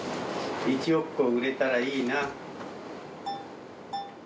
１億個売れたらいいな。